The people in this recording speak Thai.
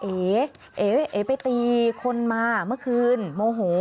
เอ๋เอไปตีคนมาเมื่อคืนโมโห